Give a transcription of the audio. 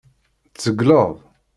Tzegled.